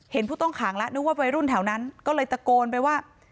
ผู้ต้องขังแล้วนึกว่าวัยรุ่นแถวนั้นก็เลยตะโกนไปว่า